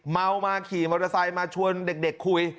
เมามาขี่มอเตอร์ไซค์มาชวนเด็กคุย